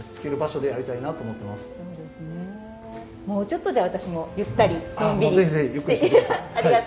もうちょっとじゃあ私もゆったりのんびり。